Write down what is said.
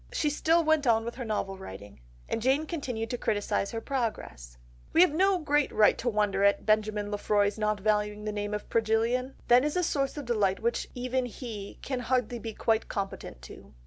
She still went on with her novel writing. And Jane continued to criticise her progress— "We have no great right to wonder at his [Benjamin Lefroy's] not valuing the name of Progillian. That is a source of delight which even he can hardly be quite competent to."